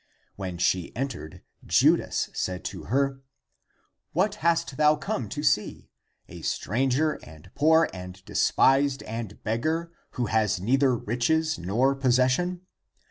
When she entered, Judas said to her, " What hast thou come to see ? A stranger and poor and despised and beg gar, who has neither riches nor possession?